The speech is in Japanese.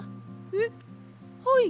えっはい！